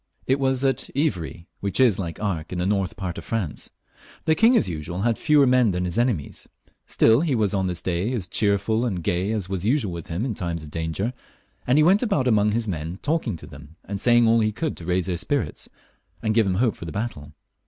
It was at Ivry, which is, like Arques, in the north part of France. The king, as usual, had many fewer men than his enemies ; still he was on this day as cheerful and gay as was usual* with him in times of danger, and he went about among the men talking to them, and saying all he could to raise their spirits and give them hope for the battle.